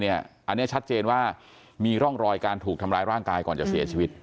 อันนี้ชัดเจนว่ามีร่องรอยการถูกทำร้ายร่างกายก่อนจะเสียชีวิต